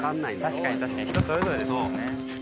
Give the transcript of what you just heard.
確かに確かに人それぞれですもんね。